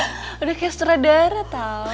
udah kayak setara daerah tau